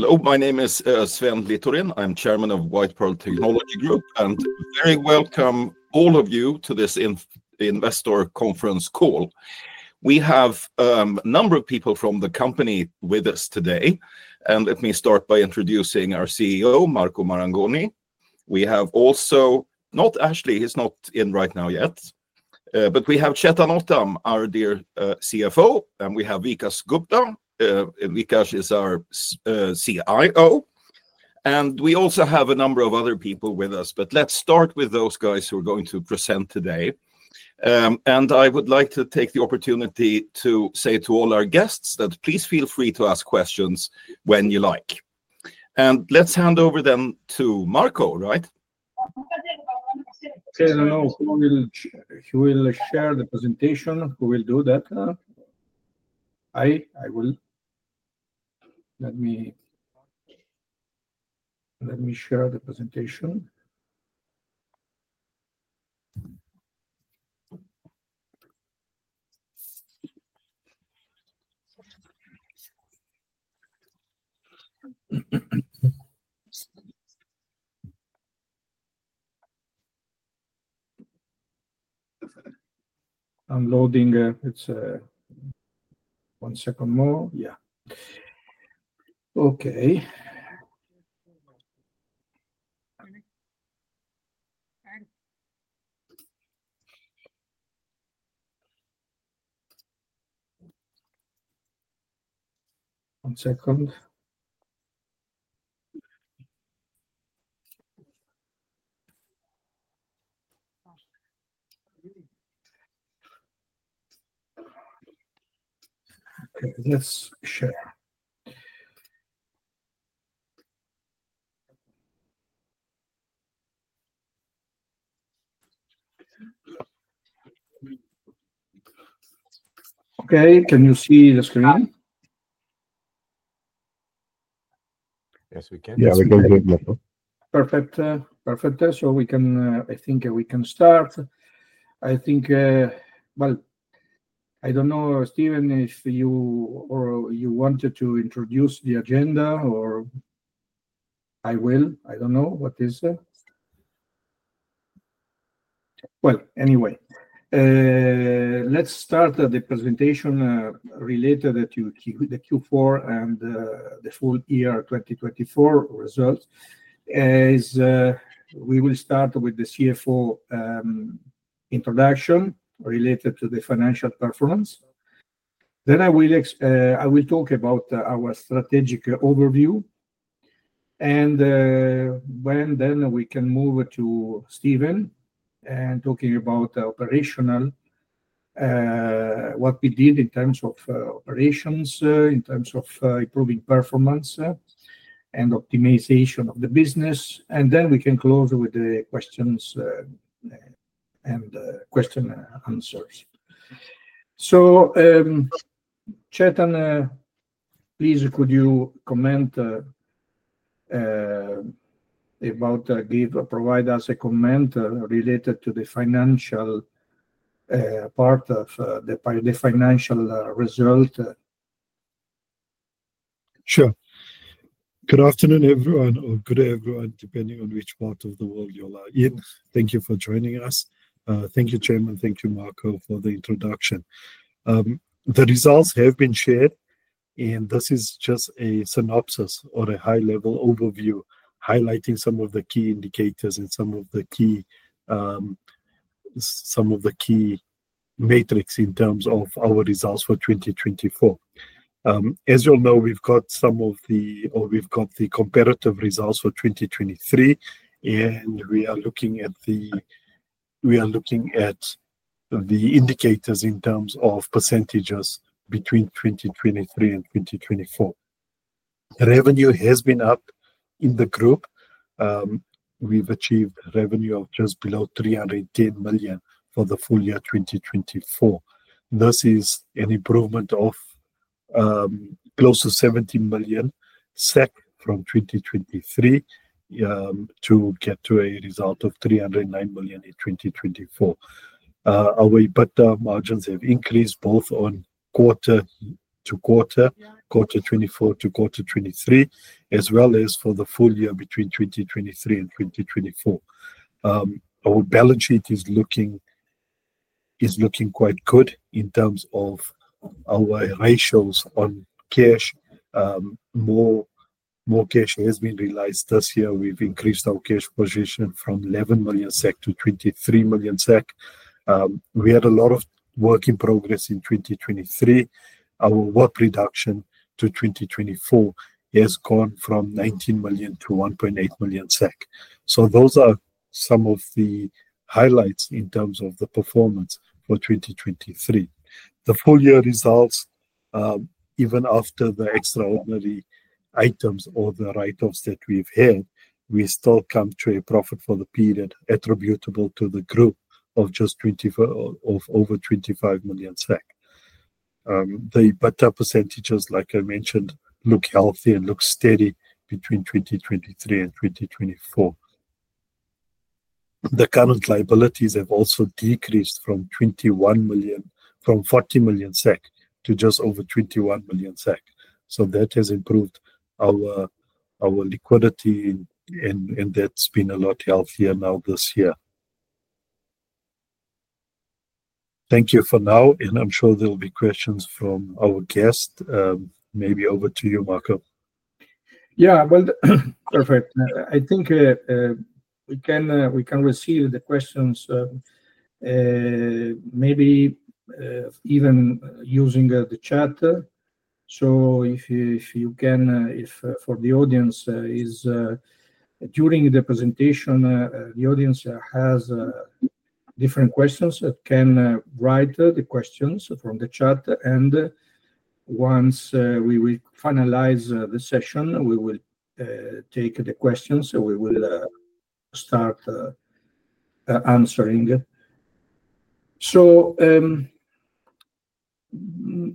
Hello, my name is Sven Littorin. I'm chairman of White Pearl Technology Group, and very welcome all of you to this Investor Conference call. We have a number of people from the company with us today, and let me start by introducing our CEO, Marco Marangoni. We have also, not Ashley, he's not in right now yet, but we have Chettan Ottam, our dear CFO, and we have Vikas Gupta. Vikas is our CIO, and we also have a number of other people with us, but let's start with those guys who are going to present today. And I would like to take the opportunity to say to all our guests that please feel free to ask questions when you like. And let's hand over then to Marco, right? He will share the presentation. Who will do that? I will. Let me share the presentation. I'm loading. It's one second more. Yeah. Okay. One second. Okay, let's share. Okay, can you see the screen? Yes, we can. Perfect. Perfect. So we can, I think we can start. I think, well, I don't know, Stephen, if you wanted to introduce the agenda or I will. I don't know what is. Well, anyway, let's start the presentation related to the Q4 and the full year 2024 results. We will start with the CFO introduction related to the financial performance. Then I will talk about our strategic overview. And then we can move to Stephen and talking about operational, what we did in terms of operations, in terms of improving performance and optimization of the business. And then we can close with the questions and question answers. So Chettan, please, could you comment about, provide us a comment related to the financial part of the financial result? Sure. Good afternoon, everyone, or good day, everyone, depending on which part of the world you're in. Thank you for joining us. Thank you, Chairman. Thank you, Marco, for the introduction. The results have been shared, and this is just a synopsis or a high-level overview highlighting some of the key indicators and some of the key metrics in terms of our results for 2024. As you'll know, we've got the comparative results for 2023, and we are looking at the indicators in terms of percentages between 2023 and 2024. Revenue has been up in the group. We've achieved revenue of just below 310 million for the full year 2024. This is an improvement of close to 70 million from 2023 to get to a result of 309 million in 2024. Our EBITDA margins have increased both on quarter to quarter, quarter 2024 to quarter 2023, as well as for the full year between 2023 and 2024. Our balance sheet is looking quite good in terms of our ratios on cash. More cash has been realized this year. We've increased our cash position from 11 million SEK to 23 million SEK. We had a lot of work in progress in 2023. Our work reduction to 2024 has gone from 19 million to 1.8 million SEK. So those are some of the highlights in terms of the performance for 2023. The full year results, even after the extraordinary items or the write-offs that we've had, we still come to a profit for the period attributable to the group of just over 25 million. The EBITDA percentages, like I mentioned, look healthy and look steady between 2023 and 2024. The current liabilities have also decreased from 40 million to just over 21 million. So that has improved our liquidity, and that's been a lot healthier now this year. Thank you for now, and I'm sure there'll be questions from our guest. Maybe over to you, Marco. Yeah, well, perfect. I think we can receive the questions maybe even using the chat. So if you can, if for the audience is during the presentation, the audience has different questions, can write the questions from the chat, and once we will finalize the session, we will take the questions, we will start answering. So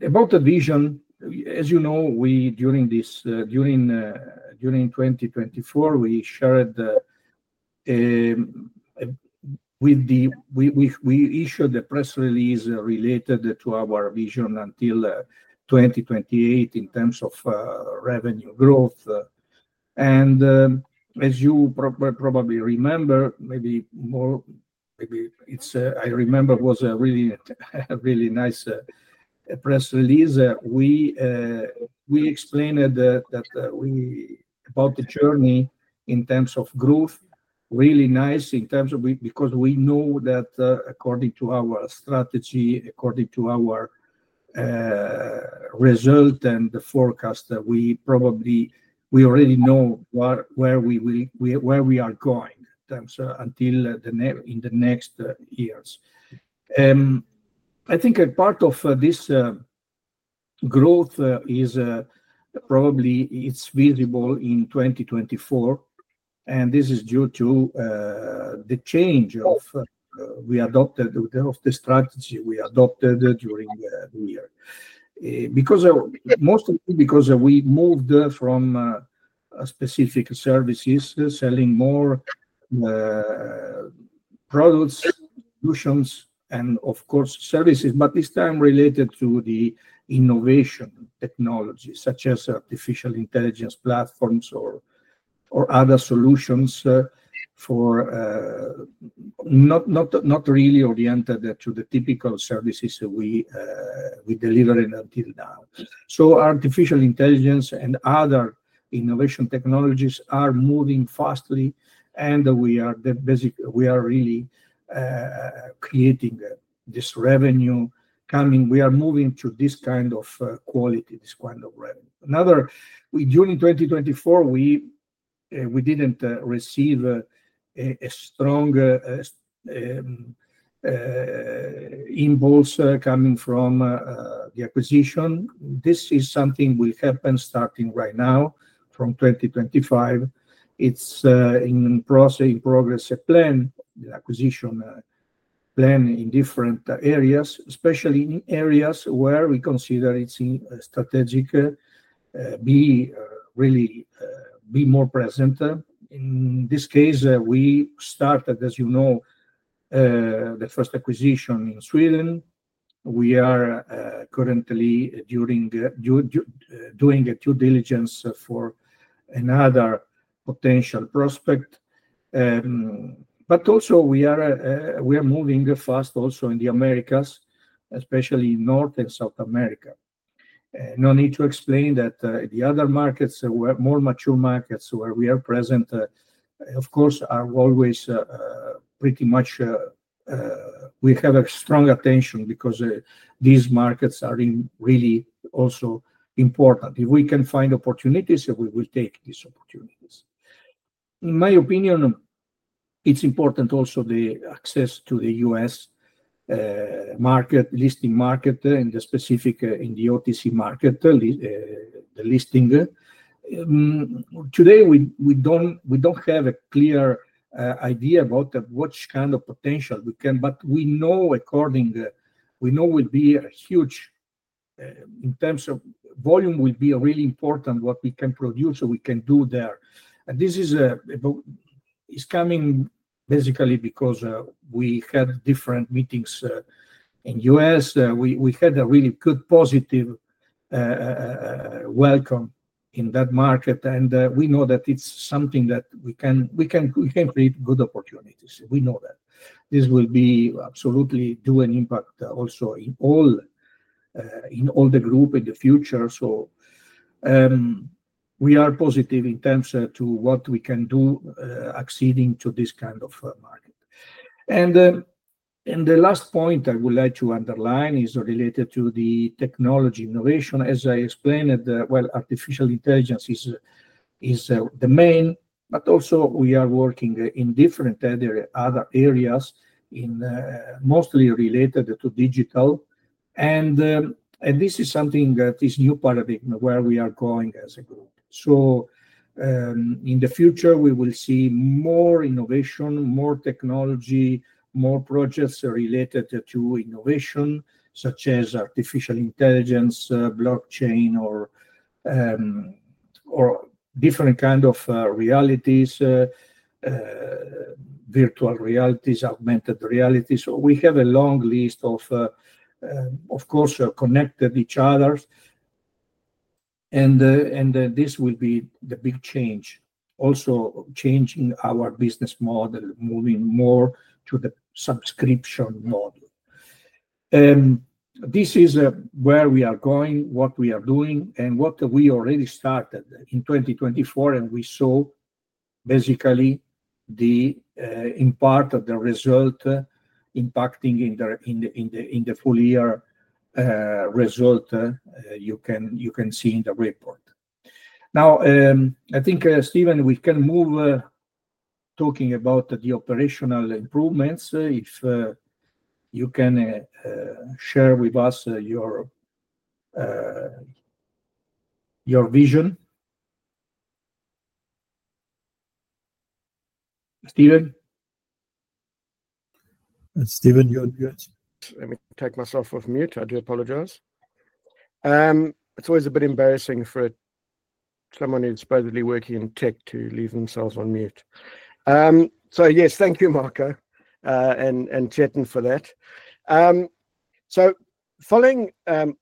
about the vision, as you know, during 2024, we shared with the, we issued the press release related to our vision until 2028 in terms of revenue growth. And as you probably remember, maybe more, maybe it's, I remember was a really, really nice press release. We explained that we about the journey in terms of growth, really nice in terms of because we know that according to our strategy, according to our result and the forecast, we probably, we already know where we are going in terms of until the next years. I think a part of this growth is probably it's visible in 2024, and this is due to the change of we adopted of the strategy we adopted during the year. Because mostly because we moved from specific services, selling more products, solutions, and of course services, but this time related to the innovation technology such as artificial intelligence platforms or other solutions for not really oriented to the typical services we delivered until now. So artificial intelligence and other innovation technologies are moving fast, and we are really creating this revenue coming. We are moving to this kind of quality, this kind of revenue. Another, during 2024, we didn't receive a strong impulse coming from the acquisition. This is something will happen starting right now from 2025. It's in progress, a plan, the acquisition plan in different areas, especially in areas where we consider it's strategic to be really more present. In this case, we started, as you know, the first acquisition in Sweden. We are currently doing due diligence for another potential prospect. But also we are moving fast in the Americas, especially North and South America. No need to explain that the other markets were more mature markets where we are present. Of course, we are always pretty much have a strong attention because these markets are really also important. If we can find opportunities, we will take these opportunities. In my opinion, it's important also the access to the U.S. market, listing market, and specifically in the OTC market, the listing. Today, we don't have a clear idea about what kind of potential we can, but we know according we know will be a huge in terms of volume. It will be really important what we can produce or we can do there. And this is coming basically because we had different meetings in U.S. We had a really good positive welcome in that market, and we know that it's something that we can create good opportunities. We know that this will be absolutely do an impact also in all the group in the future. So we are positive in terms of what we can do exceeding to this kind of market. And the last point I would like to underline is related to the technology innovation. As I explained, well, artificial intelligence is the main, but also we are working in different other areas, mostly related to digital. This is something that is a new paradigm where we are going as a group. In the future, we will see more innovation, more technology, more projects related to innovation such as artificial intelligence, blockchain, or different kind of realities, virtual realities, augmented realities. We have a long list of, of course, connected each others. This will be the big change, also changing our business model, moving more to the subscription model. This is where we are going, what we are doing, and what we already started in 2024, and we saw basically the impact of the result impacting in the full year result you can see in the report. Now, I think, Stephen, we can move talking about the operational improvements. If you can share with us your vision. Stephen? Stephen, you're muted. Let me take myself off mute. I do apologize. It's always a bit embarrassing for someone who's supposedly working in tech to leave themselves on mute. So yes, thank you, Marco and Chettan for that. So following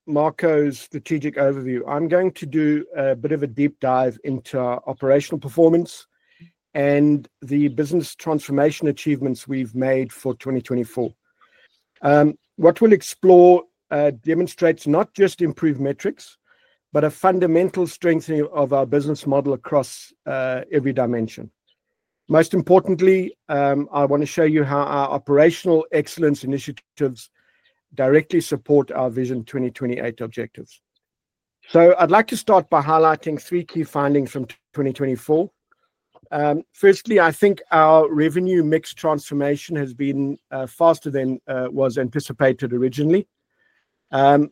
Marco's strategic overview, I'm going to do a bit of a deep dive into operational performance and the business transformation achievements we've made for 2024. What we'll explore demonstrates not just improved metrics, but a fundamental strengthening of our business model across every dimension. Most importantly, I want to show you how our operational excellence initiatives directly support our Vision 2028 objectives. So I'd like to start by highlighting three key findings from 2024. Firstly, I think our revenue mix transformation has been faster than was anticipated originally. Our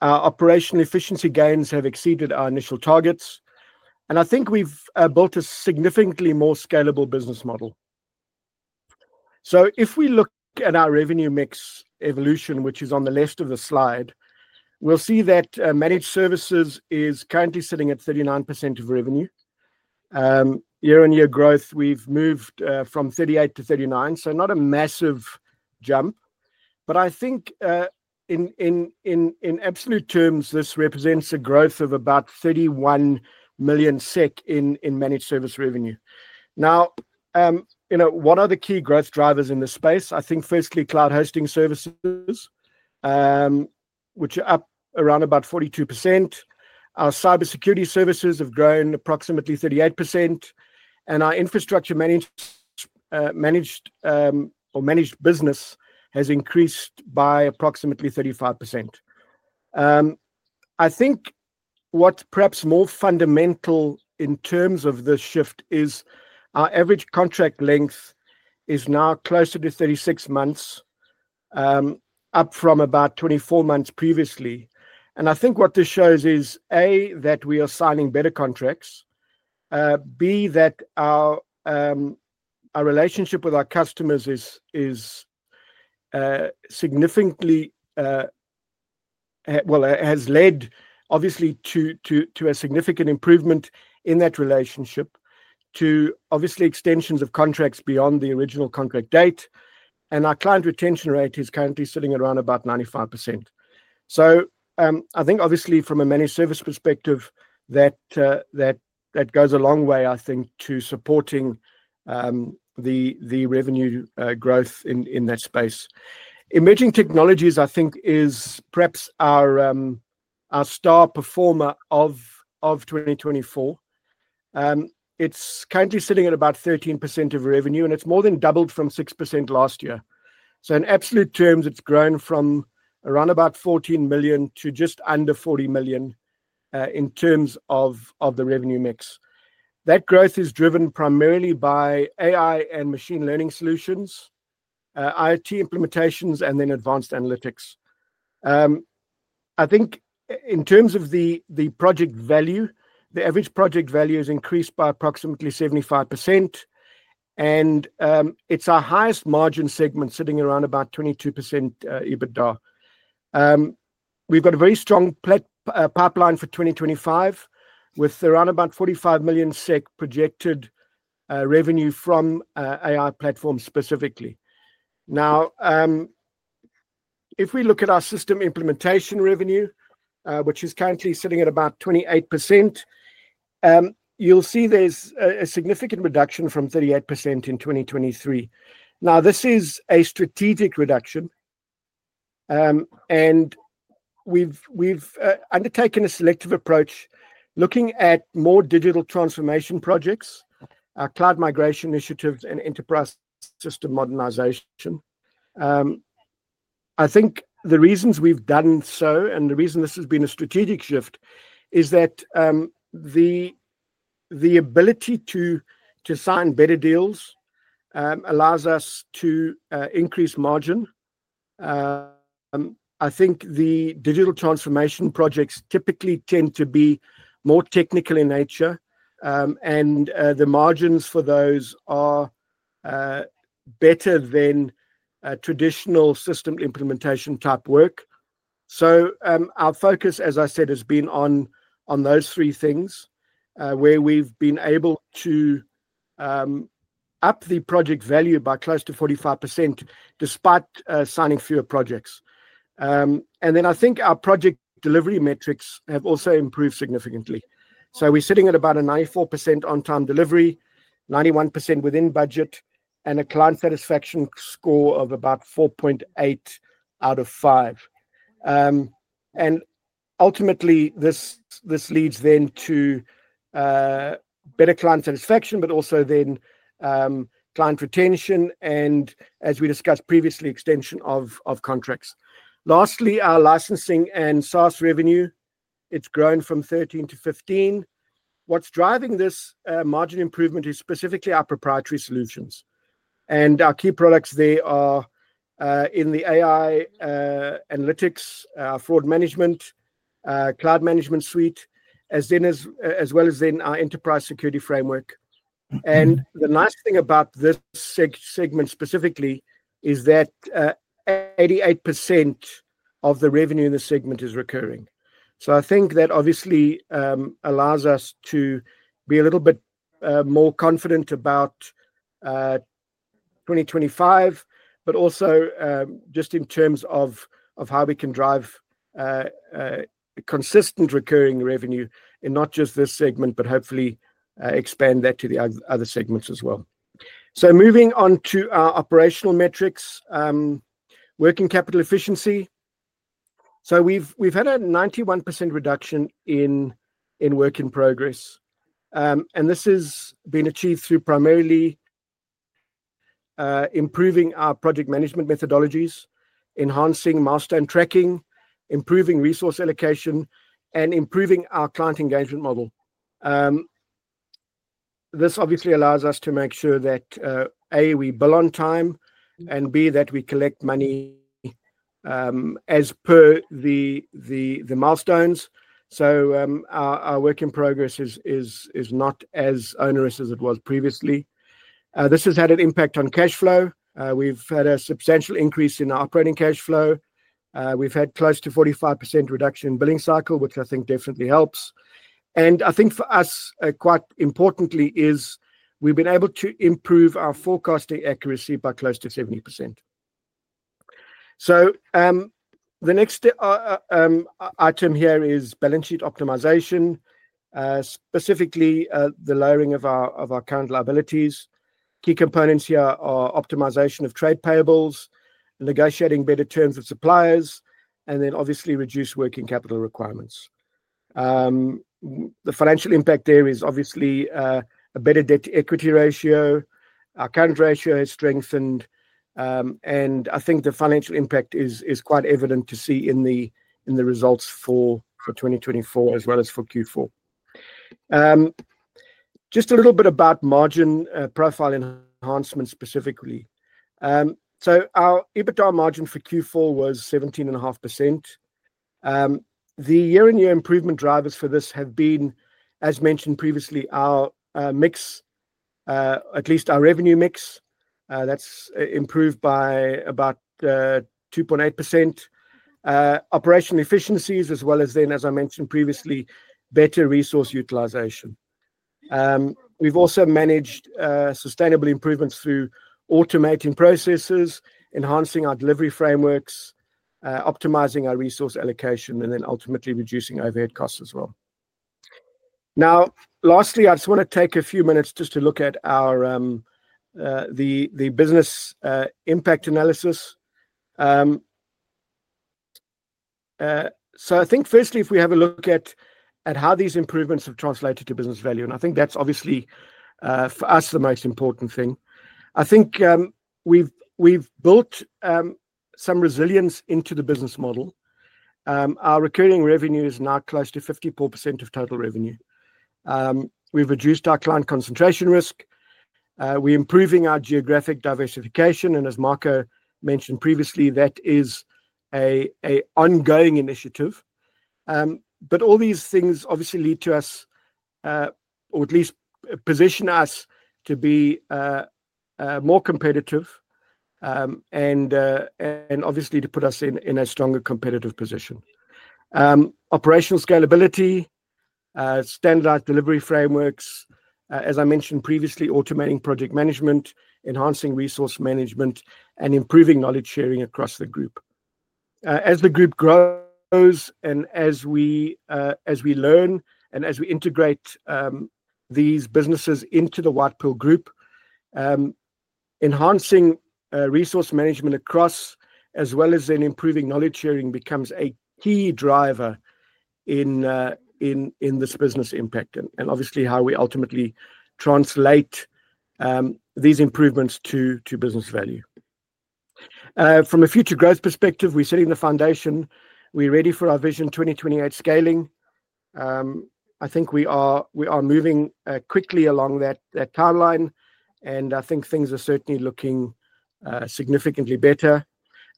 operational efficiency gains have exceeded our initial targets, and I think we've built a significantly more scalable business model. If we look at our revenue mix evolution, which is on the left of the slide, we'll see that managed services is currently sitting at 39% of revenue. Year-on-year growth, we've moved from 38% to 39%, so not a massive jump, but I think in absolute terms, this represents a growth of about 31 million SEK in managed service revenue. Now, what are the key growth drivers in this space? I think firstly, cloud hosting services, which are up around about 42%. Our cybersecurity services have grown approximately 38%, and our infrastructure managed business has increased by approximately 35%. I think what's perhaps more fundamental in terms of this shift is our average contract length is now closer to 36 months, up from about 24 months previously. I think what this shows is, A, that we are signing better contracts, B, that our relationship with our customers is significantly, well, has led obviously to a significant improvement in that relationship, to obviously extensions of contracts beyond the original contract date. Our client retention rate is currently sitting around about 95%. I think obviously from a managed service perspective, that goes a long way, I think, to supporting the revenue growth in that space. Emerging technologies, I think, is perhaps our star performer of 2024. It's currently sitting at about 13% of revenue, and it's more than doubled from 6% last year. So in absolute terms, it's grown from around about 14 million to just under 40 million in terms of the revenue mix. That growth is driven primarily by AI and machine learning solutions, IT implementations, and then advanced analytics. I think in terms of the project value, the average project value has increased by approximately 75%, and it's our highest margin segment sitting around about 22% EBITDA. We've got a very strong pipeline for 2025 with around about 45 million SEK projected revenue from AI platforms specifically. Now, if we look at our system implementation revenue, which is currently sitting at about 28%, you'll see there's a significant reduction from 38% in 2023. Now, this is a strategic reduction, and we've undertaken a selective approach looking at more digital transformation projects, cloud migration initiatives, and enterprise system modernization. I think the reasons we've done so and the reason this has been a strategic shift is that the ability to sign better deals allows us to increase margin. I think the digital transformation projects typically tend to be more technical in nature, and the margins for those are better than traditional system implementation type work. So our focus, as I said, has been on those three things where we've been able to up the project value by close to 45% despite signing fewer projects. And then I think our project delivery metrics have also improved significantly. So we're sitting at about a 94% on-time delivery, 91% within budget, and a client satisfaction score of about 4.8 out of 5. And ultimately, this leads then to better client satisfaction, but also then client retention and, as we discussed previously, extension of contracts. Lastly, our licensing and SaaS revenue, it's grown from 13 to 15. What's driving this margin improvement is specifically our proprietary solutions. And our key products there are in the AI analytics, our Fraud Management, Cloud Management Suite, as well as then our Enterprise Security Framework. And the nice thing about this segment specifically is that 88% of the revenue in the segment is recurring. So I think that obviously allows us to be a little bit more confident about 2025, but also just in terms of how we can drive consistent recurring revenue in not just this segment, but hopefully expand that to the other segments as well. So moving on to our operational metrics, working capital efficiency. So we've had a 91% reduction in work in progress. And this has been achieved through primarily improving our project management methodologies, enhancing milestone tracking, improving resource allocation, and improving our client engagement model. This obviously allows us to make sure that, A, we bill on time, and B, that we collect money as per the milestones. So our work in progress is not as onerous as it was previously. This has had an impact on cash flow. We've had a substantial increase in our operating cash flow. We've had close to 45% reduction in billing cycle, which I think definitely helps. And I think for us, quite importantly, is we've been able to improve our forecasting accuracy by close to 70%. So the next item here is balance sheet optimization, specifically the lowering of our current liabilities. Key components here are optimization of trade payables, negotiating better terms with suppliers, and then obviously reduced working capital requirements. The financial impact there is obviously a better debt-to-equity ratio. Our current ratio has strengthened, and I think the financial impact is quite evident to see in the results for 2024 as well as for Q4. Just a little bit about margin profile enhancement specifically. So our EBITDA margin for Q4 was 17.5%. The year-on-year improvement drivers for this have been, as mentioned previously, our mix, at least our revenue mix. That's improved by about 2.8%. Operational efficiencies, as well as then, as I mentioned previously, better resource utilization. We've also managed sustainable improvements through automating processes, enhancing our delivery frameworks, optimizing our resource allocation, and then ultimately reducing overhead costs as well. Now, lastly, I just want to take a few minutes just to look at the business impact analysis. So I think firstly, if we have a look at how these improvements have translated to business value, and I think that's obviously for us the most important thing. I think we've built some resilience into the business model. Our recurring revenue is now close to 54% of total revenue. We've reduced our client concentration risk. We're improving our geographic diversification, and as Marco mentioned previously, that is an ongoing initiative. But all these things obviously lead to us, or at least position us, to be more competitive and obviously to put us in a stronger competitive position. Operational scalability, standardized delivery frameworks, as I mentioned previously, automating project management, enhancing resource management, and improving knowledge sharing across the group. As the group grows and as we learn and as we integrate these businesses into the White Pearl Group, enhancing resource management across as well as then improving knowledge sharing becomes a key driver in this business impact and obviously how we ultimately translate these improvements to business value. From a future growth perspective, we're setting the foundation. We're ready for our Vision 2028 scaling. I think we are moving quickly along that timeline, and I think things are certainly looking significantly better.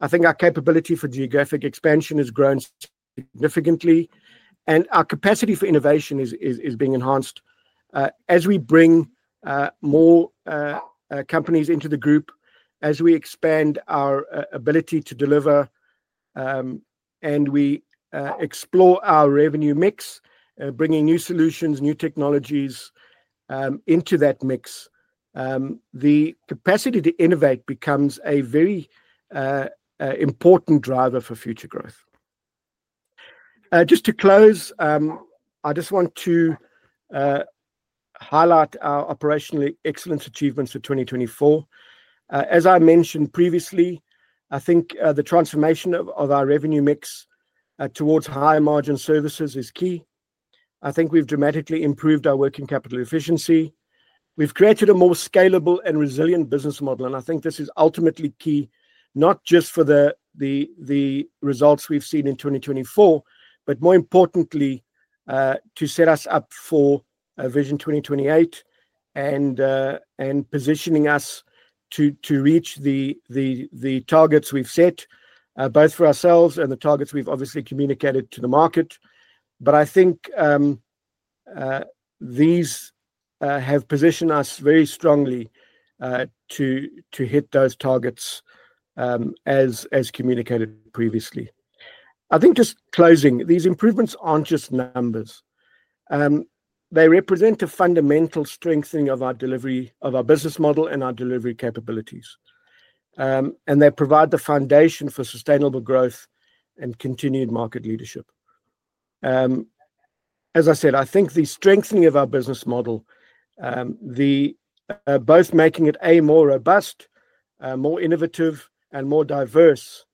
I think our capability for geographic expansion has grown significantly, and our capacity for innovation is being enhanced as we bring more companies into the group, as we expand our ability to deliver, and we explore our revenue mix, bringing new solutions, new technologies into that mix. The capacity to innovate becomes a very important driver for future growth. Just to close, I just want to highlight our Operational Excellence achievements for 2024. As I mentioned previously, I think the transformation of our revenue mix towards higher margin services is key. I think we've dramatically improved our working capital efficiency. We've created a more scalable and resilient business model, and I think this is ultimately key, not just for the results we've seen in 2024, but more importantly, to set us up for Vision 2028 and positioning us to reach the targets we've set, both for ourselves and the targets we've obviously communicated to the market, but I think these have positioned us very strongly to hit those targets as communicated previously. I think just closing, these improvements aren't just numbers. They represent a fundamental strengthening of our delivery of our business model and our delivery capabilities, and they provide the foundation for sustainable growth and continued market leadership. As I said, I think the strengthening of our business model, both making it, a, more robust, more innovative, and more diverse,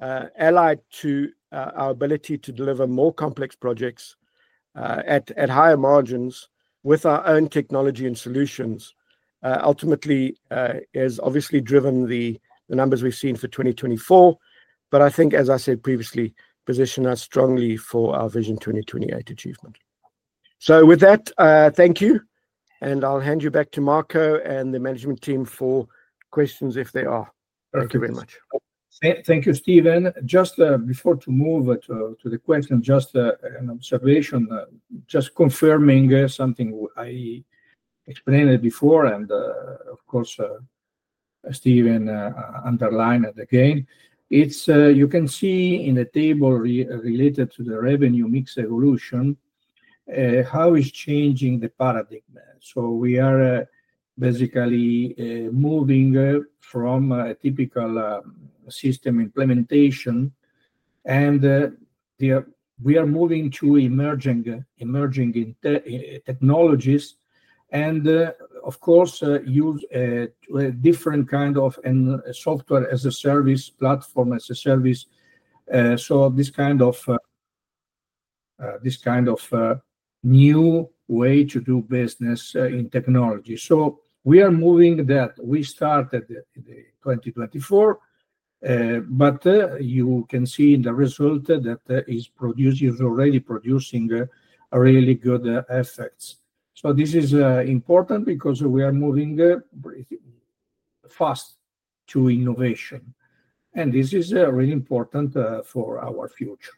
allied to our ability to deliver more complex projects at higher margins with our own technology and solutions, ultimately has obviously driven the numbers we've seen for 2024, but I think, as I said previously, positioned us strongly for our Vision 2028 achievement. So with that, thank you, and I'll hand you back to Marco and the management team for questions if there are. Thank you very much. Thank you, Stephen. Just before to move to the question, just an observation, just confirming something I explained before, and of course, Stephen underlined it again. You can see in the table related to the revenue mix evolution how it's changing the paradigm. So we are basically moving from a typical system implementation, and we are moving to emerging technologies and, of course, use different kinds of software as a service, platform as a service. So this kind of new way to do business in technology. So we are moving that. We started in 2024, but you can see in the result that is already producing really good effects. So this is important because we are moving fast to innovation, and this is really important for our future.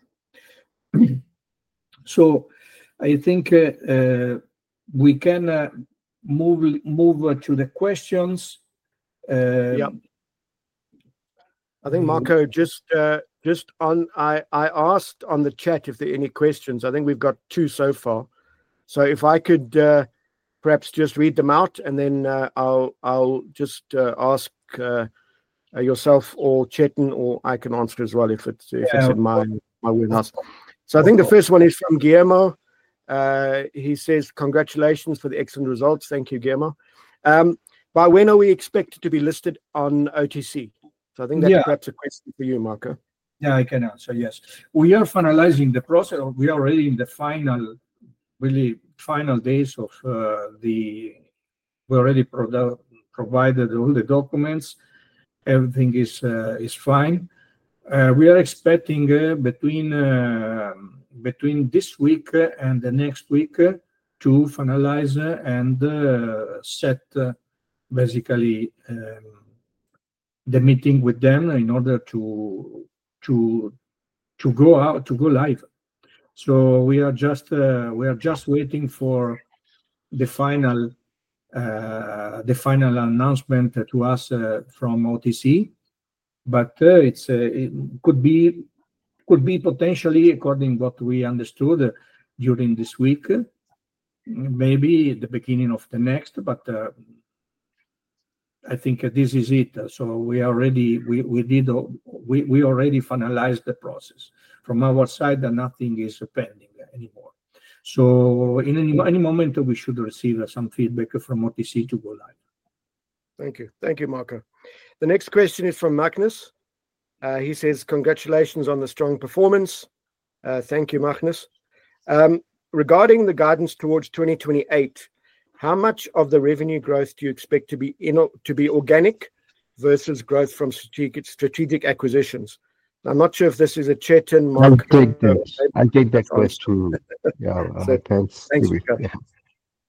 So I think we can move to the questions. Yeah. I think, Marco, just I asked on the chat if there are any questions. I think we've got two so far. So if I could perhaps just read them out, and then I'll just ask yourself or Chettan, or I can answer as well if it's in my wheelhouse. I think the first one is from Guillermo. He says, "Congratulations for the excellent results." Thank you, Guillermo. By when are we expected to be listed on OTC? So I think that's a question for you, Marco. Yeah, I can answer. Yes. We are finalizing the process. We are already in the final, really final days. We already provided all the documents. Everything is fine. We are expecting between this week and the next week to finalize and set basically the meeting with them in order to go live. So we are just waiting for the final announcement to us from OTC, but it could be potentially, according to what we understood, during this week, maybe the beginning of the next, but I think this is it. So we already finalized the process. From our side, nothing is pending anymore. So in any moment, we should receive some feedback from OTC to go live. Thank you. Thank you, Marco. The next question is from Magnus. He says, "Congratulations on the strong performance." Thank you, Magnus. Regarding the guidance towards 2028, how much of the revenue growth do you expect to be organic versus growth from strategic acquisitions? I'm not sure if this is a Chettan, Marco. I'll take that question. Yeah. Thanks.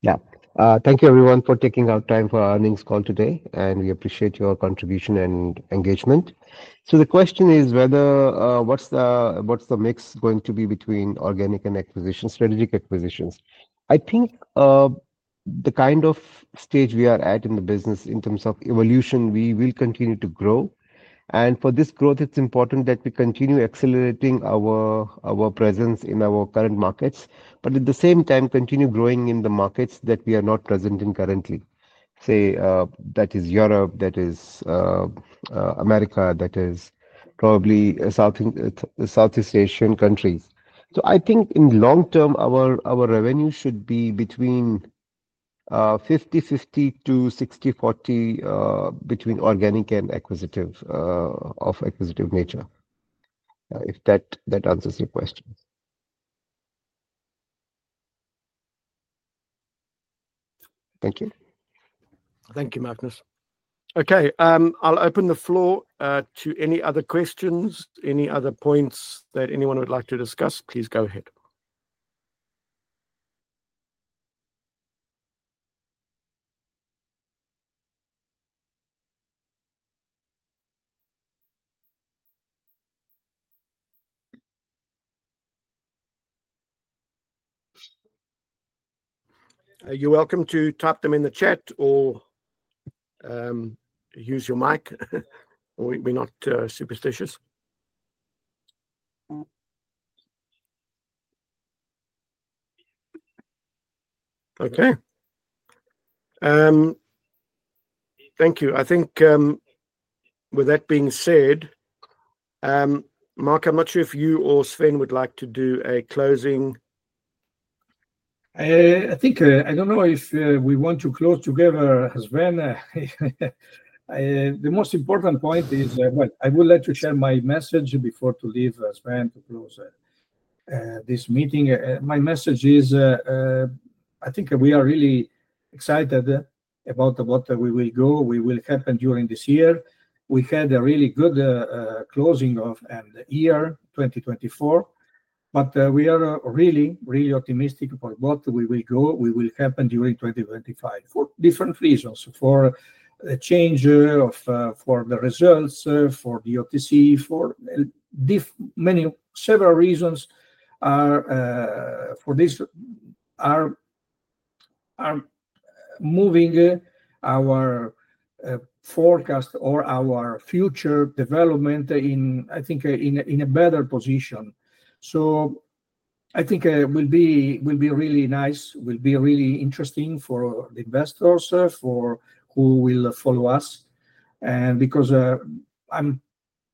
Yeah. Thank you, everyone, for taking our time for our earnings call today, and we appreciate your contribution and engagement. So the question is, what's the mix going to be between organic and strategic acquisitions? I think the kind of stage we are at in the business in terms of evolution, we will continue to grow. And for this growth, it's important that we continue accelerating our presence in our current markets, but at the same time, continue growing in the markets that we are not present in currently. Say that is Europe, that is America, that is probably Southeast Asian countries. So I think in the long term, our revenue should be between 50/50 to 60/40 between organic and acquisitive of acquisitive nature, if that answers your question. Thank you. Thank you, Magnus. Okay. I'll open the floor to any other questions, any other points that anyone would like to discuss. Please go ahead. You're welcome to type them in the chat or use your mic. We're not superstitious. Okay. Thank you. I think with that being said, Marco, I'm not sure if you or Sven would like to do a closing. I don't know if we want to close together, Sven. The most important point is, well, I would like to share my message before to leave Sven to close this meeting. My message is, I think we are really excited about what we will go, what will happen during this year. We had a really good closing of the year 2024, but we are really, really optimistic about what we will go, what will happen during 2025, for different reasons, for the change, for the results, for the OTC, for several reasons for this are moving our forecast or our future development, I think, in a better position. So I think it will be really nice, will be really interesting for the investors, for who will follow us, because I'm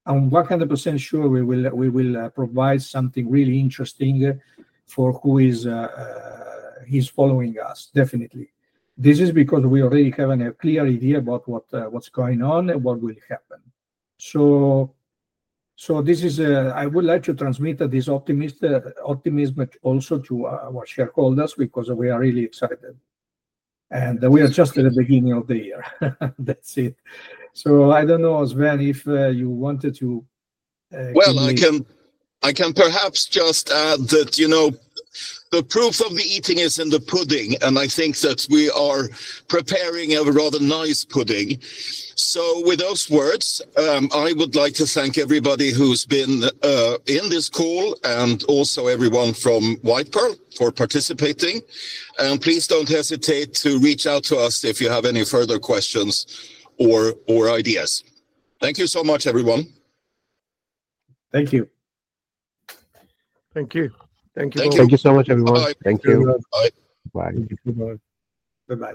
100% sure we will provide something really interesting for who is following us, definitely. This is because we already have a clear idea about what's going on and what will happen, so I would like to transmit this optimism also to our shareholders because we are really excited, and we are just at the beginning of the year. That's it, so I don't know, Sven, if you wanted to. Well, I can perhaps just add that the proof of the eating is in the pudding, and I think that we are preparing a rather nice pudding. So with those words, I would like to thank everybody who's been in this call and also everyone from White Pearl for participating. And please don't hesitate to reach out to us if you have any further questions or ideas. Thank you so much, everyone. Thank you. Thank you. Thank you very much. Thank you so much, everyone. Thank you. Bye. Bye. Goodbye.